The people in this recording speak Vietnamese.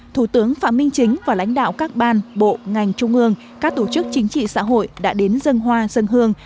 thủ tướng phạm minh chính và lãnh đạo các ban bộ ngành trung ương các tổ chức chính trị xã hội đã đến dân hoa dân hương